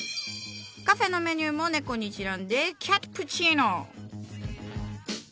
カフェのメニューも猫にちなんで「キャットプチーノ」。